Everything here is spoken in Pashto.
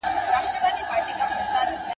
کلتوري توپیرونه د ناروغۍ رغېدو اغېز لري.